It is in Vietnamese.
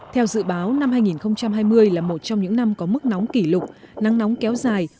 theo dự báo năm hai nghìn hai mươi là một trong những năm có mức nóng kỷ lục nắng nóng kéo dài